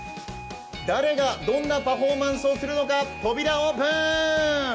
誰がどんなパフォーマンスをするのか扉オープン！